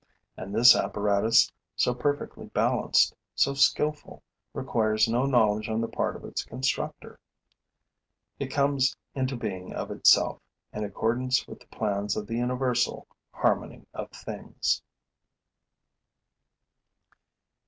And this apparatus, so perfectly balanced, so skilful, requires no knowledge on the part of its constructor. It comes into being of itself, in accordance with the plans of the universal harmony of things.